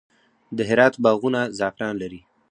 د هرات باغونه زعفران لري.